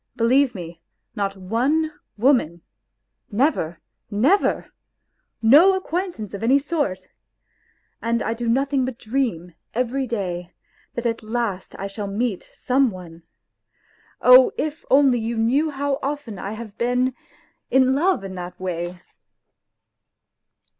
... Belie_ve__me, not jone, woman, never, never ! No acquaintance of ariy sort ! And I do nothingbut dreanfevery day that at last I shall meet some one. Oh, if only you knew how often I have been in love in that way